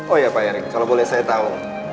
oh ya pak erick kalau boleh saya tahu